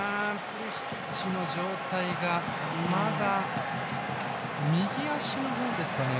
プリシッチの状態がまだ右足の方ですかね